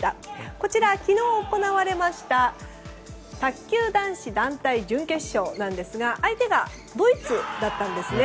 こちら、昨日行われた卓球男子団体準決勝なんですが相手がドイツだったんですね。